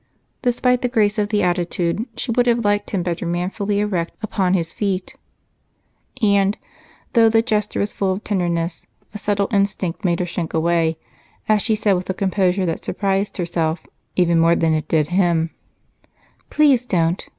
Despite the grace of the attitude, she would have liked him better manfully erect upon his feet, and though the gesture was full of tenderness, a subtle instinct made her shrink away as she said with a composure that surprised herself even more than it did him: "Please don't.